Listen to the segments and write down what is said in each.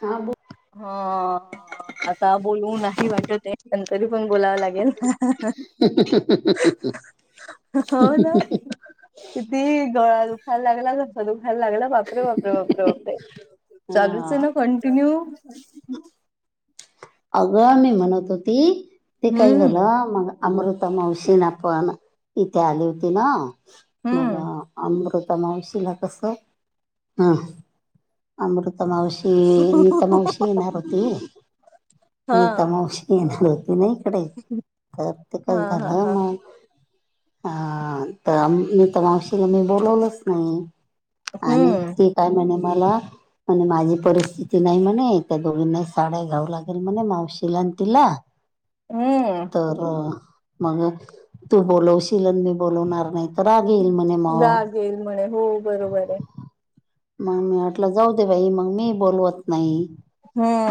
हा बोल ह आता बोलू नाही वाटत ते तरी पण बोलावं लागेल ह, ह हो ना. [inaudible] किती गळा दुखायला लागला, घसा दुखायला लागला. बापरे बापरे बापरे बापरे, अ चालूच आहे ना कंटिन्यू. अगं मी म्हणत होती, ते काय हम्म झालं मग. अमृता मावशीना पण इथे आली होती ना मग हम्म. अमृतमावशीला कसं ह. अमृता मावशी, नीता मावशी येणार होती हा नीता मावशी [unintelligible] होती ना इकडे तर ते हा कसं हा झालं हा मग ह तर मी तर मावशीला मी बोलवलच नाही. आणि हम्म ती, काय म्हणे मला. म्हणे माझी परिस्थिती नाही म्हणे, त्या दोघींना साड्या घ्याव लागेल म्हणे मावशीला आणि तिला. हम्म. तर मग म्हणे, तू बोलवशील मी बोलाणार नाही. तर राग येईल म्हणे मग. राग येईल म्हणे हो बरोबर ये. मग मी म्हटलं जाऊ दे बाई, मग मी बोलवत नाही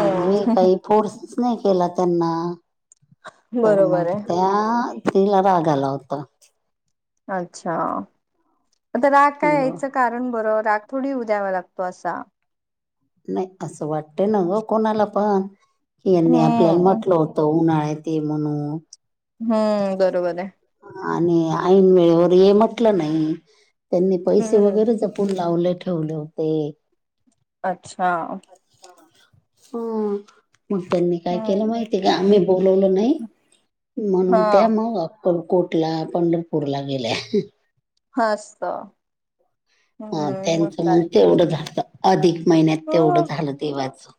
मग मी काही. फोर्सच नाही केला त्यांना. तर बरोबर मग आहे त्या तिला राग आला होता. अच्छा, आता राग कि काय यायचं. नाही कारण बरं राग थोडी उद्यावा लागतो असा. नाही असं वाटतं न हो कोणाला पण यांनी आपल्याला हम्म म्हटलं हो हो‌ उन्हाळ्यात ये म्हणून. हम्म बरोबर ये. आणि ऐन वेळेवर ये म्हटलं नाही. त्यांनी पैसे हम्म. वगैरे जपून लावले ठेवले होते. अच्छा! अच्छा, हम्म. मग त्यांनी काय केलं हम्म माहिती का, आम्ही बोलवलो नाही म्हणून त्या हा मग. अक्कलकोटला कोटला पंढरपूरला गेल्या. हस्त. ह हम्म त्यांचं काय मग तेवढं झालं, अधिक महिन्यात तेवढं हा झालं देवाचं.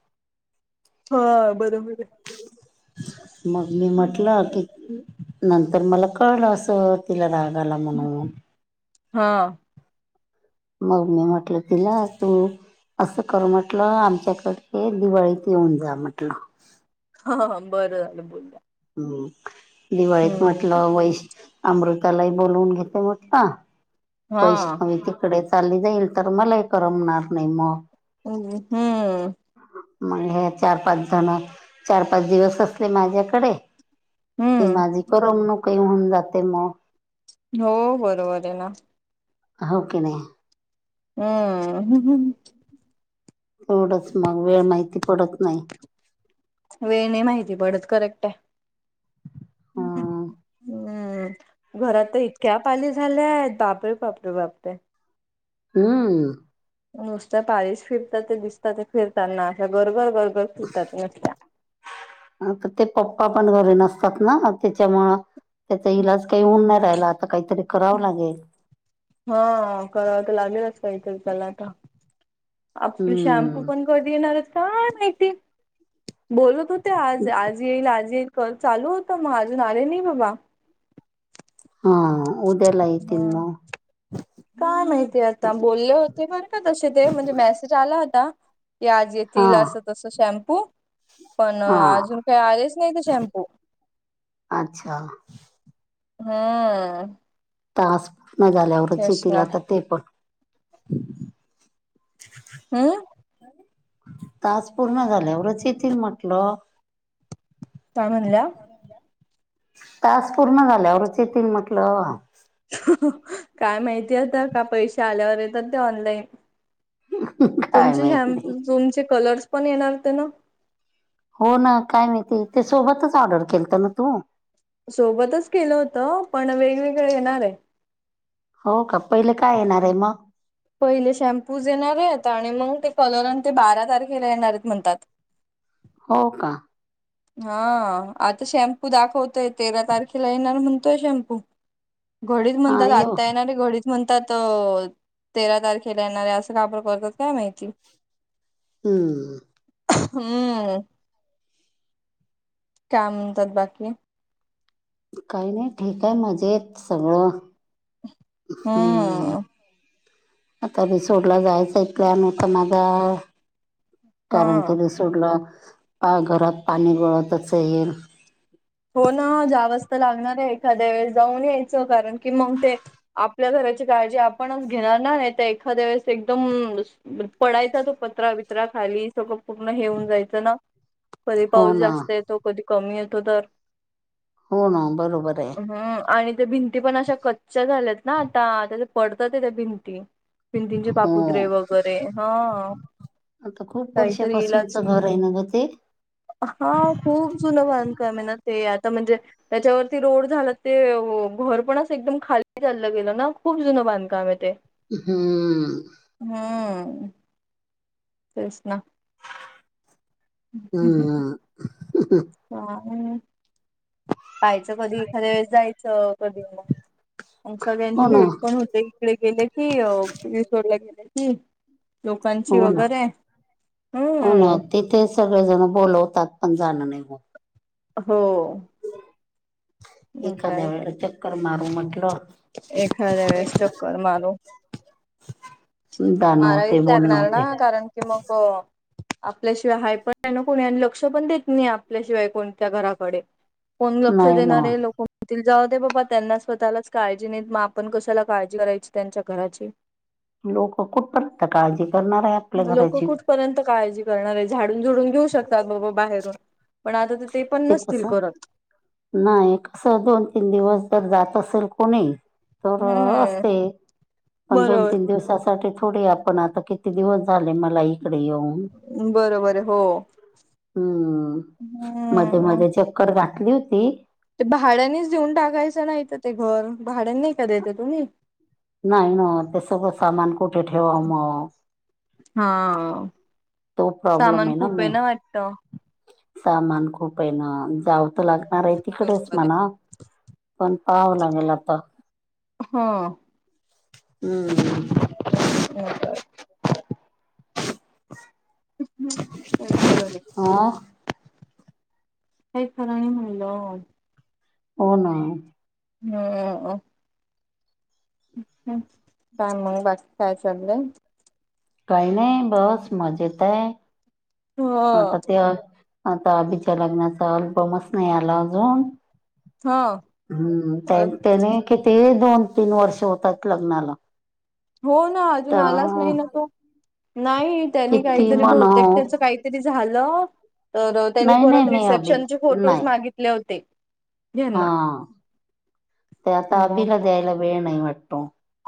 हा बरोबर ये. मग मी म्हटलं की हम्म. नंतर मला कळलं असं. तिला राग आला म्हणून. हा. ‌ मग मी म्हटलं तिला तू असं कर म्हटलं, आमच्याकडे दिवाळीत येऊन जा म्हटलं. हां.. बरं झालं बोल्या. हम्, दिवाळीत म्हटलं वैष अमृतालाही बोलवून घेतो, म्हटलं हा पैसे कमी ते. तिकडे चालली जाईल तर, मलाही करमणार नाही मग. हम् हम्म. मग हे चार पाच जण चार पाच दिवस असले माझ्याकडे. ते हम्म. माझी करम न काही होऊन जाते मग. हो बरोबर आहे ना. हो की नायी? अं.. ह ह. तेवढंच मग वेळ माहिती पडत नाही. वेळ नाही माहिती पडत करेक्ट हाय. हम्म हम्म, घरात इतक्या पाली झाल्यात बापरे बापरे बापरे. हम्म. नुसत्या पारस फिरतात ते दिसत ते फिरत ना अ गरघर गरघर फिरतात नुसत्या. आता ते पप्पा पण घरी नसतात ना त्याच्यामुळं त्याचा इलाज काही होऊन नाही राहायला आता काहीतरी करावं लागेल. हा कराव तर लागेलच काहीतरी चला आता. आपली शॅम्पू हम्म. पण कधी येणार आहेत काय माहिती बोलत हो ते आज आज येईल आज येईल चालू होतं मग अजून आले नाही बाबा. हां. उदयाला येई होय. काय माहितीय आता बोलले होते बर का तसे ते म्हणजे मेसेज आला होता. की आज हा येतील असं तसं शॅम्पू पण हा अजून काही आलेच नाही ते शॅम्पू. अच्छा! ह. तास पूर्ण झाल्यावरच येतील ना आता ते पण. हा हा. तास पूर्ण झाले वरच येतील म्हटलं. काय म्हणल्या? टास्क पूर्ण झाल्यावरच येतील म्हटलं. काय माहिती आता का पैसे आल्यावर येतात ते ऑनलाईन. काय तुमचे माहिती. शॅम्पू तुमचे कलर्स पण येणार होते ना? हो ना काय माहिती ते सोबतच ऑर्डर केलत ना तु? सोबतच केलं होतं पण वेगवेगळे येणार आहे. हो का पहिले का येणार आहे मग? पहिले शॅम्पूस येणार आहे आता आणि मंग ते कलर आणि ते बारा तारखेला येणारेत म्हणतात. हो का? हा आता शॅम्पू दाखवतोय तेरा तारखेला येणार म्हणतोय शॅम्पू. घडीच हा म्हणतात येऊ आत्ता येणारे घडीच म्हणतात तेरा तारखेला येणारे असं का बर करतात काय माहिती. हम्म. हम्म. काय म्हणतात बाकी? काय नाय ठीक आहे मजेत सगळं हम्म. आता रिसोडला जायचं एक प्लॅन होता माझा कारण हा क रिसो सोडलं काय घरात पाणी गळतच येईल. हो ना जावत लागणार आहे एखाद्या वेळेस जाऊन यायचं कारण की मग ते आपल्या घराची काळजी आपणच घेणार ना नाही तर एखाद्या वेळेस एकदम दुस पडायचा तो पत्रा बित्रा खाली सगळं पूर्ण हे होऊन जायचं ना. कधी हो पाऊस ना जास्त येतो कधी कमी येतो तर हो ना बरोबर आहे. हम्म आणि ते भिंती पण अशा कच्च्या झाल्यात ना आता त्या ते पडतात आहे त्या भिंती. भिंतींचे हो. पापुत्रे वगैरे हा आता खूप काहीतरी इलाज वर्षापासूनचं घर आहे ना ग ते? हा खूप जुनं बांधकाम आहे ना ते आता म्हणजे त्याच्यावरती रोड झाला ते हो घर पण एकदम खाली चाललं गेलं ना खूप जुनं बांधकाम आहे ते. हम्म. हम्म. तेच ना, हम्म हम्म. आणि पाहायचं कधी एखाद्या वेळेस जायचं. कधी मग सगळ्यांची हो ना भेट पण होते. तिकडे गेले कि [unintelligible] गेले की लोकांची हो ना वगैरे, हम्म. तेचं सगळेजण बोलवतात, पण जाण नाही होत. हो. मग एखाद्या वेळेला चक्कर मारू म्हटलं. एखादं वेळेस चक्कर मारू. जाणं होते मारायलाच बोलणं लागणार ना, होते कारण कि मग. आपल्याशिवाय हाय पण कोणी आणि, लक्ष पण देत नाही आपल्याशिवाय कोणत्या घराकडे. कोण लक्ष नाही ना देणार आहे लोकं तिला जाऊ दे बाबा त्यांना स्वतःलाच काळजी नाहीत, मग आपण कशाला काळजी करायची त्यांच्या घराची. लोक कुठपर्यंत काळजी करणार आहेत. ते लोक कुठपर्यंत काळजी करणार आहे, झाडून झुडून घेऊ शकतात बाबा बाहेरून, पण आता तर ते पण नसतील करत. नाही कसं दोन तीन दिवस जर, जात असेल कोणी. तर हम्म असते, पण दोन बरोबर तीन दिवसासाठी थोडी आप पण आता किती दिवस झाले, मला इकडे येऊन‌. बरोबर हो. हम्म, मध्ये हम्म मध्ये चक्कर घातली होती. ते भाड्यांनीच देऊन टाकायचं नाही तर, ते घर भाड्यांनी नाही का देत तुम्ही. नाही ना ते, सगळं सामान कुठे ठेवाव मग. हा. तो प्रॉब्लेम सामान आहे ना खूप मेन. वाटत सामान खूप आहे ना, जाव तर लाग आरे तिकडेच बरोबर आहे म्हणाव, पण पहावं लागेल आता. हा हम्म. हम्म. मग काय झालं? [inaudible] हम्म काय खरं नाही. हां. काही खर नाही म्हणलो. हो ना. हो. काय मग बाकी, काय चाललंय. काही नाही बस मजेत आहे. आता ह ते, आता आभीच्या लग्नाचा अल्बमच नाही आला अजून. हा हम्म, त्याने किती दोन तीन वर्ष होतात लग्नाला. हो ना अजून तर आलाच नाही ना तो. नाही त्यांनी किती काहीतरी बहुतेक म्हणाव त्याच काही ते झालं तर, त्यांनी नाही परत नाही मी अभि रिसेप्शनचे फोटोज नाही मागितले होते. हा, यांना ते आता अभीला मग द्यायला वेळ नाही वाटत.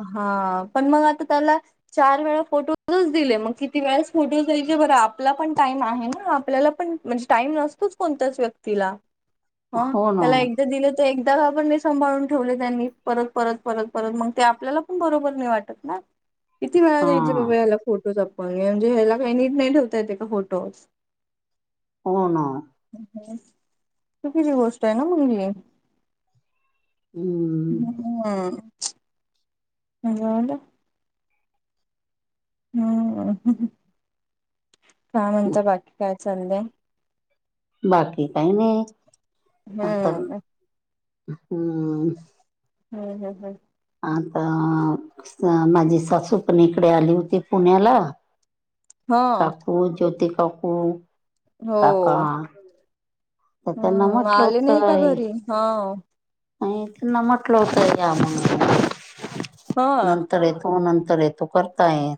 हा, पण मग आता त्याला. चार वेळा फोटोजच दिले. मग किती वेळास फोटो द्यायचे. बरं आपला पण टाइम आहे ना. आपल्याला पण, म्हणजे टाईम नसतोच, कोणत्याच व्यक्तीला. हम्म हो ना त्याला एकदा दिलं तर एकदा पण म सांभाळून ठेवले त्यांनी परत परत परत परत मग ते आपल्याला पण बरोबर नाही वाटत ना किती वेळा हा द्यायचे बाबा याला फोटोज आपण म्हणजे, ह्याला काय नीट नाही ठेवता येते का फोटो. हो ना. चुकीची गोष्ट आहे ना, मग ही. हम्म. हम्म. जेवला. हम्म काय म्हणता बाकी काय चाललंय. बाकी काही नाही आता हम्म हम्म. हम्म हम्म हम्म हम्म. आता माझी सासू पण इकडे आली होती पुण्याला हा काकू, ज्योती काकू. काका हो तर त्यांना हम्म म्हटलं आले नाही का घरी हा. नाही त्यांना म्हटलं होतं या म्ह हा. नंतर तो नंतर आहे तो करताय?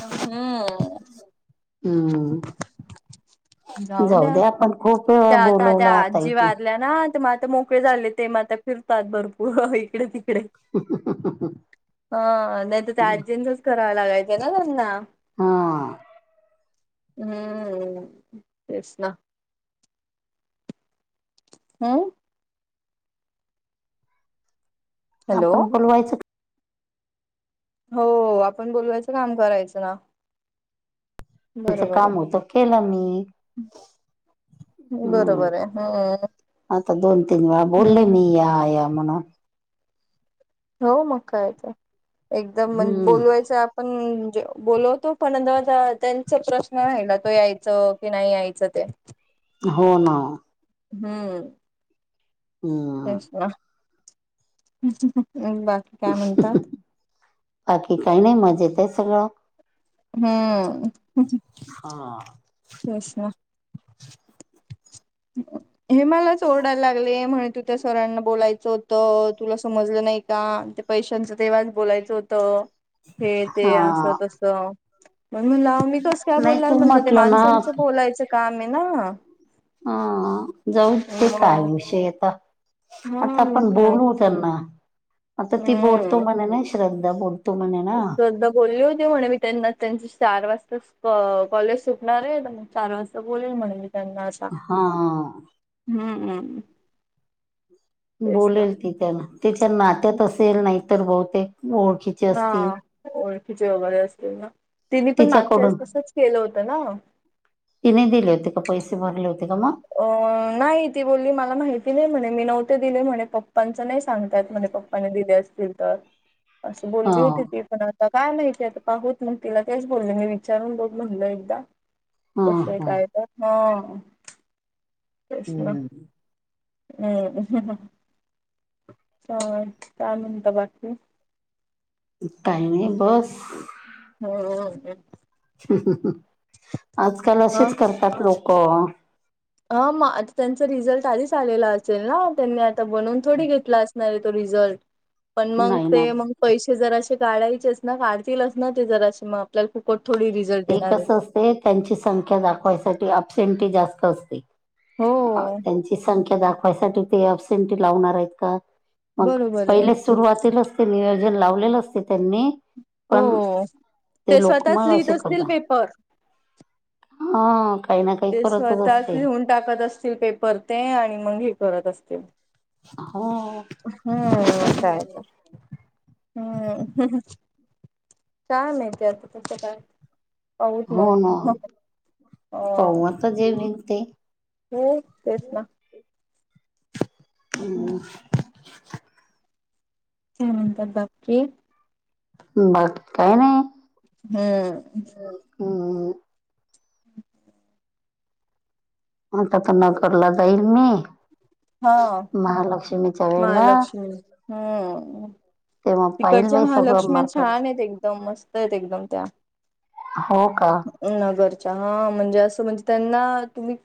हम्म. हम्म जाऊ दे आपण खूप त्या त्या बोलवलं आता आजी यथे वारल्या ना ते म आ मोकळे झाले ते म आ फिरतात भरपूर इकडे तिकडे हं, नाही तर ते आजींच कराव, लागायचं ना त्यांना. हं.... हम्म तेच ना, हम्म. हॅलो आपण बोलवायचं हो आपण बोलवायचं काम करायचं ना. तेच बरोबर काम आहे होतं केलं मी हम्म, बरोबर आहे हम्म आता दोन तीन वेळा बोले हम्म मी या या. [unintelligible] हो मग कयचं एकदम म्हण हम्म बोलवायचं आपण म्हणजे बोलवतो पणंदाज त्यांचा प्रश्न राहिला तो यायचं की नाही यायचं ते हो ना हो. हम्म. ते हम्म वा बा. बाकी काही नाही मज येत आहे सगळं. हम्म हा तेच ना. हे मला ओरडायला लागले म्हण त. त्या सरांना बोलायचं होतं तुला समजलं नाही का ते पैशांचं तेव्हाच बोलायचं होतं. हे ते असं तस. मण म्हणलं मी कस काय नाही बोलणार तू म्हणलं, ते म्हटलं ना माणसांचं बोलायचं काम आहे ना. हा जाऊ ते मग काय विषय आता, हा आता मग आपण काय बोलू त्यांना. आता ती बोलतो हम्म म्हणे ना श्रद्धा बोलतो म्हणे ना. श्रद्धा बोलली होती म्हणे मी त्यांना त्यांची चार वाजता कॉलेज सुटणार आहे. चार वाजता बोल म्हणली त्यांना हा. हम्म हम्म. तेच ना बोलेल ती त्यान त्यािच्या नात्यात असेल नाही तर बहुतेक ओळखी हा ओळखीचे वगैरे असतील ना, तिने पण मागच्या तिच्याकडून वेळेस तसच केलं होतं ना‌ तिने दिले होते का पैसे भरले होते का मग अ नाही ती बोलली मला माहिती नाही म्हणे मी नव्हते दिले म्हणे पप्पांचं नाही सांगतात म्हणे पप् दिले असतील तर असे ह बोलली होती ती पण ता काय माहितीय आता पाहत मग तिला तेच बोलले मी विचारून बघ म्हणलं एकदा ह तस आहे ह काय हा. कृष्णा हम्म हम्म. ह चालेता बाकीकी काय नाही बस. [unintelligible] आजकाल हा असेच करतात लोक. हा मग आता त्यांचा रिझल्ट आधीच आलेला असेल ना त्यांनी आता बनवून थोडी घेतला अस रिझल्ट पण मग नाही ना ते मग पैसे जरा से काढायचेच ना काढतीलच ना ते जर असे मग आपल्याला फुकट थोडी रिझल्ट ते देणार आहे कसं असते त्यांची संख्या दाखवायसाठी अबसेंटी जास्त असते. हो त्यांची संख्या दाखवायसाठी ते अबसेंटी लावणार आहेत का? मग बरोबर आहे पहिलेच सुरुवातीलाच ते नियोजन लावलेलं असते त्यांनी. पण हो ते लोक स्वतःच मग लिहित असे असतील करतात पेपर हा काही ना काही करतच असते. दाकवत असतील पेपर ते आण मग हे करत असतील. हो. हम्म अस हाय तर हम्म काय माहित आता तस काय बहच हो मस् ह [unintelligible] त जे मि [unintelligible] ळते हो तेच ना. हम. काय छंत बाकी [unintelligible] बाकी काही नाही. हम्म आता तर नसगपूरला जाईल मी हा महालक्ष्मीच्या वेला महालक्ष्मी हम्म. पाहिल तिकडच्या बाई सगळं महालक्ष्म्या मार्केट छान आहेत एकदम मस्त आहेत एकदम त्या. हो का? नगरच्या हा म्हणजे असं म्हणजे त्यांना तुम्ही